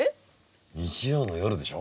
日曜の夜でしょ。